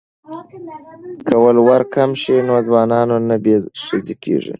که ولور کم شي نو ځوانان نه بې ښځې کیږي.